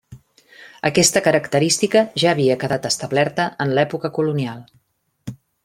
Aquesta característica ja havia quedat establerta en l'època colonial.